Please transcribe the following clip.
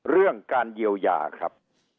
เรื่องการเยียวยาครับ